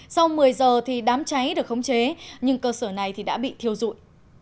sau một mươi h thì đám cháy được khống chế nhưng cơ sở này thì đã bị thiêu dụi